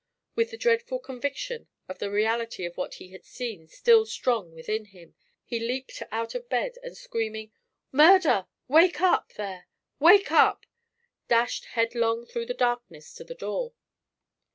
With the dreadful conviction of the reality of what he had seen still strong within him, he leaped out of bed, and screaming "Murder! Wake up, there! wake up!" dashed headlong through the darkness to the door.